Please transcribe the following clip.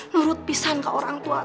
nurut pisahan ke orang tua